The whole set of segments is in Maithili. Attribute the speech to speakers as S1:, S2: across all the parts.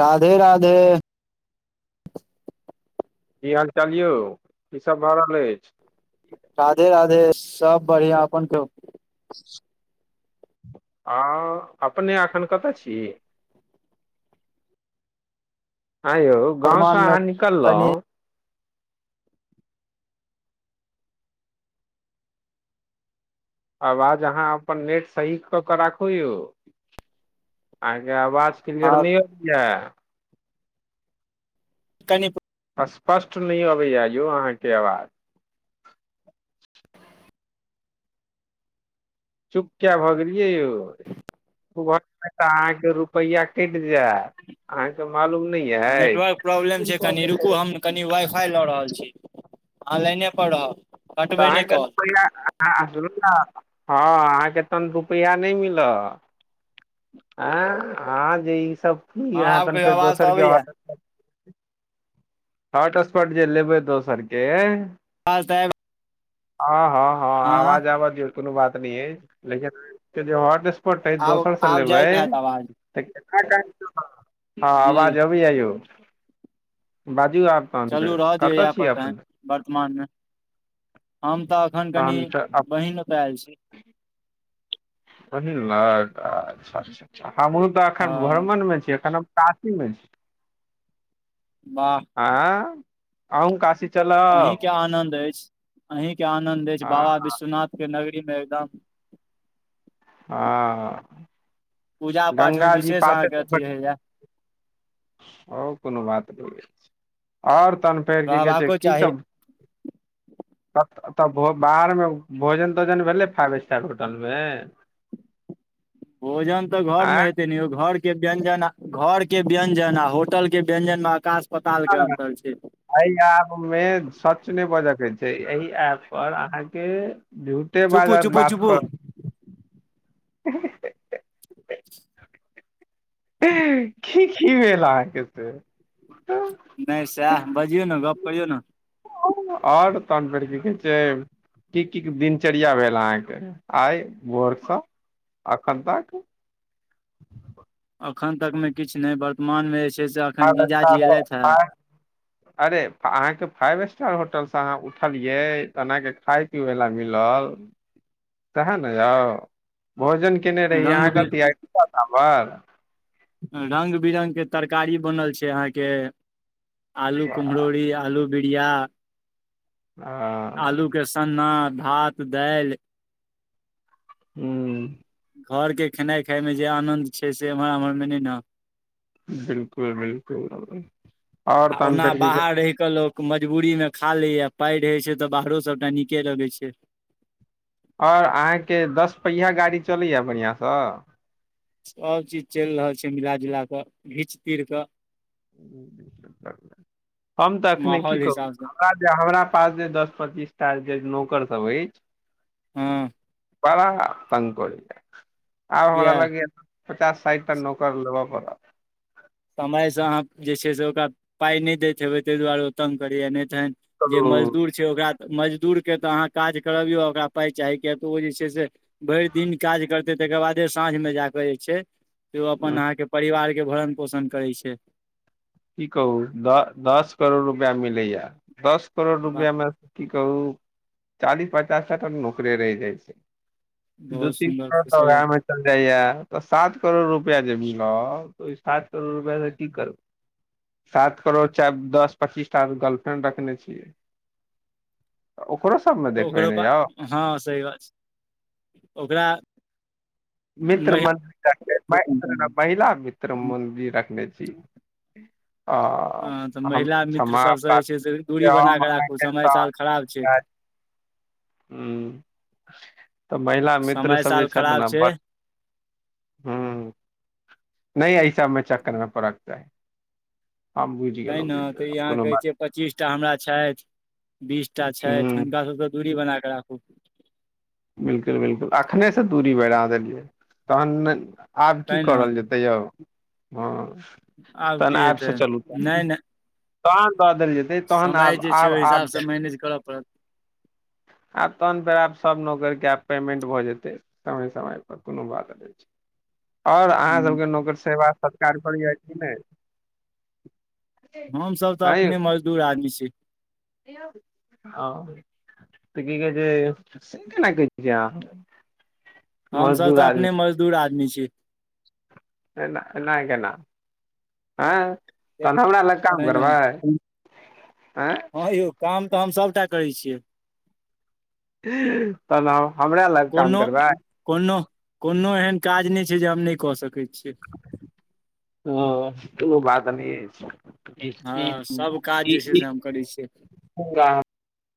S1: राधे-राधे।
S2: की हाल-चाल यौ, की सब भऽ रहल एछ।
S1: राधे-राधे सब बढ़ियाँ अपन कहु।
S2: आ अपने एखन कता छी। हैंयौ गाँव से
S1: वर्तमान मे
S2: अहाँ निकलौ
S1: कनि
S2: अवाज अहाँ अपन नेट सही क के राखु यौ, अहां के अ वाज क्लियर
S1: हँ
S2: नै आबै या।
S1: कनि
S2: स्पष्ट नै आबै या यौ अहाँ के अवाज। चुप किया भऽ गेलियै यौ, चुप रहबै ते अहाँ के रुपैया कैट
S1: नेटवर्क
S2: अछि
S1: प्रॉब्लम छै, कनि
S2: तऽ
S1: रुकु हम कनि वाइ-फाई लऽ रहल छी। अहाँ लेने पर रहब।
S2: [unintelligible]
S1: कटबै नहि कॉल
S2: हाँ अहाँ के तहन रुपया नै मिला। एं अहाँ जे ई सब ई
S1: हँ
S2: अहाँ
S1: आब
S2: तहन
S1: कहियो
S2: फेर
S1: आवाज तऽ
S2: दोसर के
S1: अबैया
S2: ऑर्डर हॉटस्पॉट जे लेबै दोसर केे
S1: अवाज ते आएब
S2: हाँ। हाँ, हाँ अवाज आबे दियो कुनू बात [unintelligible] पॉट जे
S1: आब
S2: दोसर से
S1: आब
S2: लेबै
S1: जाइत हैत आवाज
S2: [unintelligible] हाँ
S1: जी
S2: अवाज आबै या यौ। बा [unintelligible] के,
S1: चलू रहऽ दियौ
S2: कता
S1: इएह
S2: छी
S1: पर तहन
S2: अपने।
S1: वर्तमानमे हम त अखन कनि
S2: तहन तऽ अप
S1: बहिन ओते आएल छी।
S2: बहिन लग आच्छा आच्छा। हमु तऽ अखन
S1: हँ
S2: भ्रमण मे छी, अखन हम काशी मे।
S1: वाह
S2: आँ। अहूं काशी
S1: अहीं
S2: चलब
S1: के आनंद एछ, अहीं के आनंद एछ,
S2: हँ
S1: बाबा विश्वनाथ के नग री मे एकदम
S2: आहा।
S1: पूजा पाठ मे
S2: गंगा जी
S1: विशेष
S2: पासे
S1: अहाँके
S2: ते
S1: अथी रहैया
S2: और कुनो बात नै या। और तहन फेर की कहै छै
S1: रहबाको
S2: की
S1: चाही
S2: सब तब भो बाहर मे भोजन-तोजन भेलै फाइव स्टार होटल मे।
S1: भोजन ते घर
S2: आँ
S1: में हेते ने यो, घर के व्यंजन, घर के व्यंजन आ होटल के व्यंजन मे अकाश
S2: हाँ ए याब मे सच नै बाजय के छै, एहि आ पर अहाँ के झूठे
S1: चुपू
S2: बाजत
S1: चुपू
S2: बात
S1: चुपू
S2: कर [unintelligible] की, की भेल अहाँ के से।
S1: नै साएह बजियौ ने, गप करियौ ने।
S2: और तहन फेर की कहै छै की की दिनचर्या भेल अहाँ के आय भोर सँ अखन तक।
S1: अखन तक मे किछ नै वर्तमान मे एछ।
S2: फाइव स्टार [unintelligible] अरे फ अहाँ के फाइव एस टार होटल सँ अहाँ उठलियै, तहन अहाँ के खाय पिबै बला मिलल सेहाए ने यौ। भोजन केएने रहि अहाँ
S1: रंग बि
S2: कथी आय [unintelligible]
S1: रंग बिरंग के तरकारी बनल छै अहाँ के। आलू कुम्हरोड़ी, आलू बिड़या।
S2: हँ
S1: आलू के सन्ना। भात, दाएल।
S2: ह्म्म।
S1: घरके खेनाइ खाइमे जे आनन्द छै से एम्हर उम्हरमे नहि ने।
S2: बिलकुल बिलकुल आ ओर तन फेर की
S1: मजबूरीमे खा लिए, पाइ रहै छै तऽ बाहरो सभटा नीके लगै छैय।
S2: और अहाँके दस पहिया गाड़ी चलैए बढ़िआँसँ।
S1: सभ चीज चलि रहल छै मिला जुला कऽ घीच तीर कऽ।
S2: हम ते अखने की
S1: माहौल
S2: कहु,
S1: हिसाबसँ
S2: हमरा [unintelligible] हमरा पास जे दस, पचीसटा जे नौकर सब एछ।
S1: ह्म्म।
S2: बड़ा [unintelligible] आब हमरा
S1: किया
S2: लागै या। पचास साइठ टा नौकर लेबऽ पड़त।
S1: समयसँ अहाँ जे छै से ओकरा पाइ नहि दैत हेबै ताहि दुआरे ओ तंग करैए नहि। तें जे
S2: चलू
S1: मजदूर छै ओकरा मजदूरके तऽ अहाँ काज करबियौ आ ओकरा पाइ चाही किएक तऽ ओ जे छै से भरि दिन काज करतै तकर बादे साँझमे जा कऽ जे छैय। त ओ अपन
S2: की
S1: अहाँके परिवार [unintelligible] पोषण करै छैय।
S2: की कहू द दस करोड़ रुपैआ मिलैया। दस करोड़
S1: वाह
S2: रुपआमे की कहू चालीस पचास टा नौकरे रहि जाइ छैय। दू
S1: बहुत
S2: तीन
S1: सुन्दर
S2: करोड़ तऽ
S1: खुशी
S2: वह में चल जाइया तऽ सात करोड़ रुपआ देबी। न त सात करोड़ रुपआ से की करू। सात करोड़ चार दस पच्चीस टा गर्लफ्रेंड रखने छियै आ ओ।
S1: तऽ ओकरो पास हँ सही बात छै ओकरा।
S2: मित्र
S1: महि
S2: मन्द केआ के [unintelligible] महिला वित्रम मन्दी राखने [unintelligible]
S1: हँ तऽ
S2: हम
S1: महिला मित्र
S2: क्षमा
S1: सबसँ
S2: प्रा
S1: जे छै से दूरी बना कऽ राखू समय साल खराब छै
S2: [unintelligible] तऽ महिला मित्र
S1: समय
S2: सब जे
S1: साल
S2: छथि
S1: खराब
S2: ने
S1: छै
S2: बड हूं नहि ऐस सबमें चेक करबे पड़त तऽ।
S1: त ने तऽ यहाँ
S2: कोनो
S1: कहै
S2: बात
S1: छै पच्चीस टा हमरा छथि बीसटा छथि
S2: हूँ
S1: हुनका सभसँ दूरी बना। राखू
S2: बिलकुल बिलकुल एखनेसँ दूरी बढ़ा देलियै तहन नैय आब की
S1: तै ने
S2: करल जेतै यौ। हँ
S1: आब
S2: तहन
S1: की
S2: आबिसँ
S1: हेतै
S2: चलू त।
S1: नहि नहि
S2: [inaudible] द देल जेतै तहन
S1: समय
S2: आब
S1: जे छै
S2: आब
S1: ओहि
S2: आब
S1: हिसाबसँ मैनेज करऽ पड़त
S2: आब तहन फेर आब। नकरके आब पेमेंट भऽ जेतै समय समय पर कोनो बात नहि छै। आओर अहाँ सबके नौकर सेवा। कार प जाइ छी नैय।
S1: हमसभ तऽ अपने मजदूर आदमी छी।
S2: हेयो हँ त की कह छिये केना कहे छिये अहाँ।
S1: हमस
S2: मजदूर
S1: तऽ
S2: आदमी
S1: अपने मजदूर आदमी छी। जित
S2: एना केना हँ। तहन हमरा लग काम
S1: तै ने
S2: करबै। आँय
S1: हँ यौ काम। त हम सभटा कहै छियै।
S2: तहन हमरा लग काम
S1: कोनो
S2: करबै।
S1: कोनो कोनो एहन काज नहि छै जे हम नहि कऽ सकैत छी।
S2: ह ओ बात न। ठ
S1: हँ सभ काज जे छै से
S2: ई
S1: हम करै छियै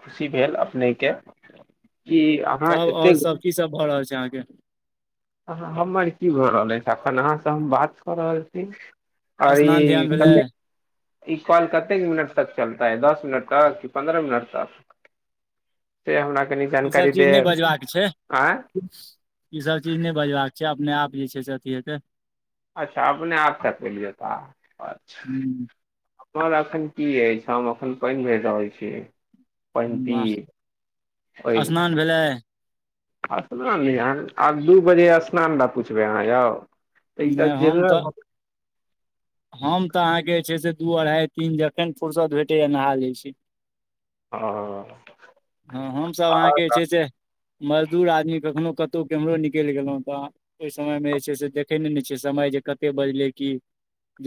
S2: खुशी भेल अपनेके।
S1: सब आओर सब की सब भऽ रहल छै अहाँके। फर
S2: अ हमर की भऽ रहल अछि एखन अहाँसँ हम बात कऽ रहल छी। आओर
S1: स्नान
S2: ई
S1: ध्यान भेलै
S2: कत ई कॉल कते मिनट तक चलता है दस। मिनट त कि पन्द्रह मिनट त से हमरा। कनी
S1: ईसभ
S2: जानकारी
S1: चीज
S2: दे
S1: नहि बजबाक छै
S2: आँ।
S1: ईसभ चीज नहि बजबाक छै अपने आप जे छै से अथी हे के।
S2: अच्छा अपने हथथ चलि जेताार
S1: हूँ
S2: एखन की अछि। शाम अखन पानि भेज रहल छी। पण्टी
S1: बाह
S2: ओहि लए
S1: स्नान भेलै।
S2: स्नान नहि आब दू बजे स्नान ल पुछबै अहाँ
S1: नहि हम
S2: यौ।
S1: तऽ
S2: [inaudible]
S1: हम तऽ अहाँके जे छै से। दू अढ़ाई तीन जखन फुरसत भेटैया नहा जाइ छै।
S2: ह।
S1: हँ, हमसभ अहाँके छै से मजदूर आदमी कखनहु कतहु केम्हरो निकलि गेलहुँ तऽ ओहि समयमे जे छै से देखै नहि ने छीयई समय जे कतेक बजलै कि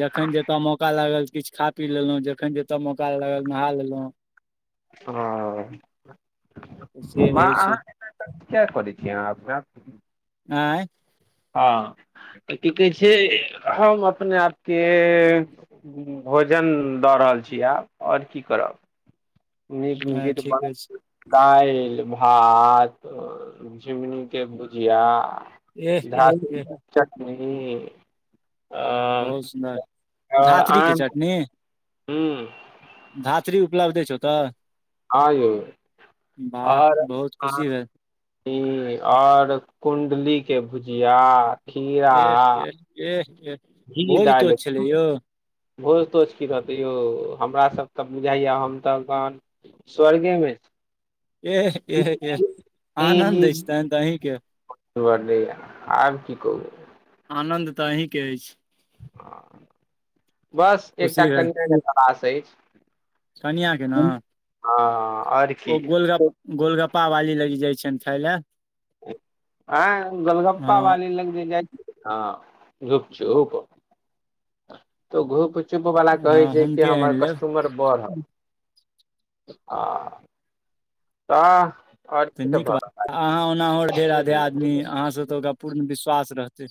S1: जखन जतय मौका लागल किछु खा पी लेलहुँ, जखन जतय मौका लागल नहा लेलहुँ।
S2: हां
S1: से रहै
S2: माॅं
S1: छै
S2: अहाँ [unintelligible]
S1: आँय।
S2: हँ तऽ की कहै छै हम अपने आपके भोजन दऽ रहल छी आब आओर की करब। न
S1: नहि
S2: गे त ब।
S1: ठीक अछि
S2: दाईल, भात, झिमनी के भुजिया
S1: एह एह
S2: धात्री
S1: एह
S2: के चट [unintelligible]
S1: बहुत सुन्दर, धात्री के चटनी
S2: हूं।
S1: धात्री उपलब्ध अछि ओतऽ?
S2: हं यै,
S1: वाह
S2: आओर
S1: बहुत
S2: अं
S1: खुशी भेल
S2: ई आओर कुण्डलीके भुजिया खीरा
S1: एह एह एह एह
S2: घी
S1: भोज
S2: डालि
S1: तोज छलै यौ?
S2: भोज तोज की रहतै यौ, हमरा सभ तऽ बुझाइये हमसब तऽन स्वर्गेमे
S1: एह एह एह आनन्द अछि तहन तऽ अहीं के
S2: [unintelligible] आब की कहु
S1: आनन्द तऽ अहींके अछि।
S2: आ बस एकटा [unintelligible] पास अईछ
S1: कनियां के न
S2: आओर
S1: ओ
S2: की
S1: गोलगप्प गोलगप्प पावाली लगि जाय छनि खाय लै
S2: ऐं गोलगप्पा
S1: हँ
S2: वाली लग जे जाइ हँ गूपचूप त घूप चुप बला कहै
S1: हँ
S2: छै कि
S1: हुनके
S2: हमर
S1: आनि लेब
S2: कस्टमर बढ़ल आं तऽ
S1: तऽ नीक बात, अहाँ ओनाहु राधे राधे आदमी
S2: कुत्ता
S1: अहाँस तऽ ओकरा पूर्ण विश्वास रहतै।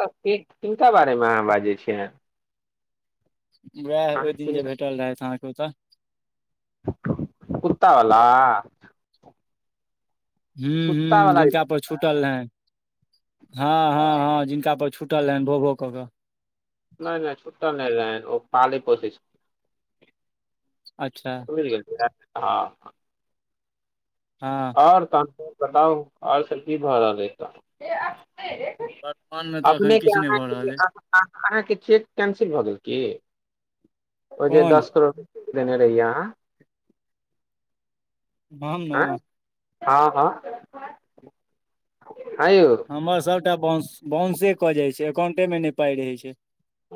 S2: कि किनका बारेमे अहाँ बाजै छियै?
S1: वएह
S2: अहाँ
S1: ओहि दिन जे
S2: किनका
S1: भेटल रहैथ अहांके कहू तऽ
S2: कुत्ता वला
S1: हूँ हूँ जिनका पर छुटल रहनि, हँ हँ हँ जिनका पर छु टल रहनि भो भो कऽ कऽ
S2: नहि नहि छुट्टल नहि रहनि ओ पाले पोसई छै
S1: अच्छा
S2: खुईल गेल छलै आ
S1: हँ
S2: आओर त बताऊ आर सब की भ रहल रहलैक?
S1: वर्तमानमे तऽ एखन
S2: अपनेके
S1: किछु नहि भऽ
S2: अहाँके जे
S1: रहल अइ
S2: अहाँके चेक कैंसिल भऽ गेल की? ओ जेे
S1: कोन
S2: दस करो देने रहियई अहां
S1: अहम न
S2: हँ हँ हँ यौ
S1: हमर सभटा बाउंस बाउंसे कऽ जाई छै। काउंटे मे नहि पाई रहे छै। काउं
S2: [unintelligible]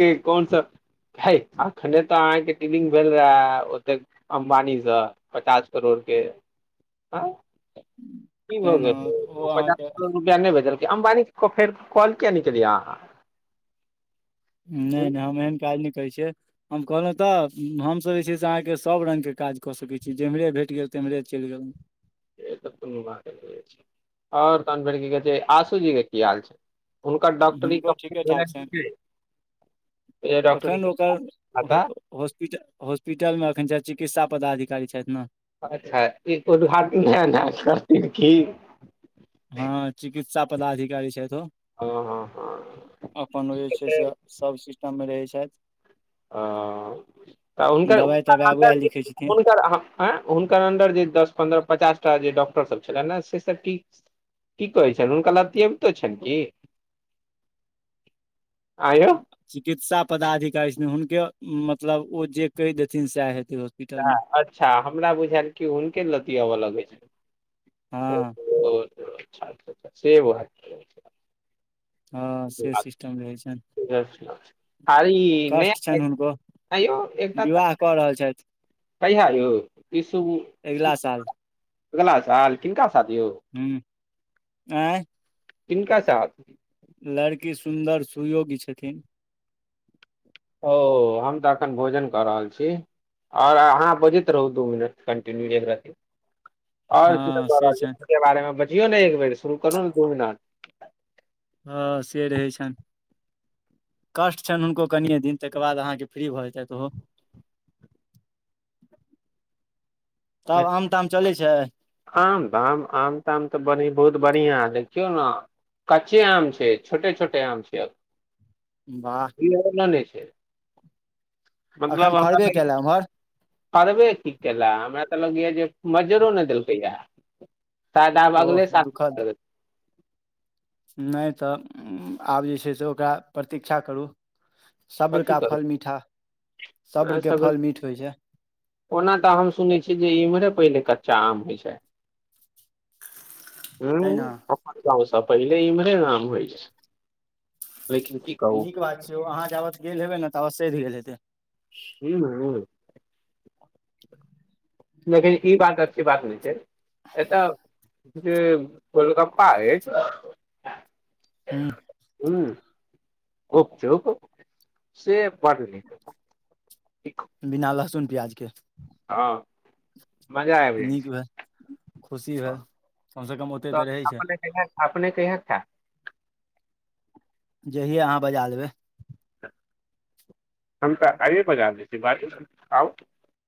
S2: के कोनसभ हई अखने तऽ अहाँके डीलिंग भेल रहए ओतेक अम्बानीसँ, पचास करोड़के आं की भऽ
S1: तैँ ने
S2: गेल? ओ पचास
S1: अहाँके
S2: करोड़ रुपया नहि भेजलकै अम्बानी को फेर कॉल किया नहि केलियई अहां
S1: नहि नहि हम एहन काज नहि करै छियै। हम कहलहुँ तऽ हमसभ जे छै से अहाँके सभ रङ्गके काज कऽ सकै छी जेम्हरे भेट गेल तेम्हरे चलि गेलहुँ।
S2: से त कोनो बात नै छै। आओर तहन फेर की कहै छै आशूजी के की हाल छै? हुनकर डॉक्टरी
S1: हुनको
S2: कम्प्लीट
S1: ठीकेठाक
S2: भेलनि
S1: छनि,
S2: की नहि डॉक्टरी
S1: अखनि
S2: के
S1: ओकर हाॅ
S2: खाता
S1: हाॅस्पीटल हाॅस्पीटल में अखनि छैथ चिकित्सा पदाधिकारी छैथि ने।
S2: अच्छा ई उद्घाटन [unintelligible] करथिन की?
S1: हँ चिकित्सा पदाधिकारी छथि ओ
S2: हँ हँ
S1: अपन ओ जे छै से सब सिस्टम मे रहै छै छैथ।
S2: ओ तऽ हुनकर
S1: दवाइ तवाइ
S2: हुनकर अन्दर
S1: उएह लिखै छथिन
S2: जे आंय अन्दर जे दस पन्द्रह पचासटा जे डाॅक्टर टर सब छलनिए से सब की की कहै छनि हुनका लतियैबितो छनि की? आँयौ
S1: चिकित्सा पदाधिकारी छथिन हुनके मतलब ओ जे कहि देथिन सएह हेत
S2: अच्छा हमरा बुझायल की हुनके लत्तीयबय लगै छै। ओ
S1: हँ
S2: ओ अच्छा [unintelligible]
S1: हँ से सिस्टम रहै छनि
S2: खाली नहि
S1: कष्ट
S2: आबै,
S1: छनि हुनको
S2: हैं यौ एकटा तऽ।
S1: विवाह कऽ रहल छथि
S2: कहिया यौऽ। इ सब-
S1: अगिला साल
S2: अगला साल किनका सँ। [unintelligible]
S1: ऐं
S2: किनका साथ।
S1: लड़की सुन्दर-सुयोग्य छथिन।
S2: ओ हम तऽ एखन भोजन कऽ रहल छी, आओर अहाँ बजैत रहू दू मिनट कन्टिन्यू एकरती। आओर की
S1: हँ
S2: सब क
S1: से
S2: रहल
S1: छनि
S2: छै, बारे में बजियौ ने एक बेर। शुरू कऽ दियौने दू मिनट।
S1: हँ से रहै छनि, कष्ट छनि हुनको कनिए दिन तकर बाद अहाँके फ्री भऽ जेतैथि ओहो। तब आम ताम चलै छै।
S2: आम, आम- ताम तऽ बढ़ बहुत बढ़िआँ देखियौ ने कच्चे आम छै छोटे छोटे आम छै।
S1: वाह
S2: नान छै। जे। मतलब
S1: एखन
S2: हमरा
S1: फड़बे
S2: ल,
S1: केलए उम्हर
S2: करबे की केला हमरा। हमरा लगयै जे मजरो नहि देलकै य। शायद आब
S1: ओह
S2: अगिले साल
S1: दुःखद
S2: करै।
S1: नहि तऽ, आब जे छै से ओकरा प्रतीक्षा करू। सब्र
S2: कथी
S1: का
S2: करू,
S1: फल मीठा सब्र के फल मीठ होइ छै
S2: ओना तऽ हम सुनै छिय जे इम्हरे पहिले क। आम होय छै। ह
S1: तैं ने
S2: अप जाउ सब। पहिले इम्हरे आम होइ छै। लेकिन की कहू
S1: नीक बात छै ओ अहाँ जाबत। गेल हेबै ने ताबे सैध गेले हेतै।
S2: हू ने। लेकिन ई बात अच्। से बात नहि छै। ए तऽ। जे गोलकप्पा अइछ।
S1: हूँ
S2: हूं। ओ से रुकु से बड्ड नि।
S1: बिना लहसुन- प्याजके।
S2: हँ। मजा आबि जाइ
S1: नीक
S2: छै
S1: भेल, खुशी भेल। कम से कम ओते
S2: त
S1: तऽ रहै छै
S2: अपने क अपने कहि। हँ।
S1: जहिए अहाँ बजा लेबै।
S2: हम तऽ आइए बजार दै छी बात आउ।